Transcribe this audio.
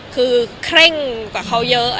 คือเคร่งกว่าเขาเยอะ